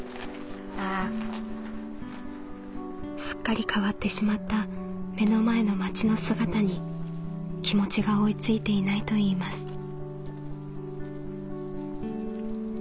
すっかり変わってしまった目の前の町の姿に気持ちが追いついていないといいます。